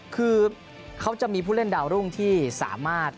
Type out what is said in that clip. คือเขาจะมีผู้เล่นดาวรุ่งที่สามารถ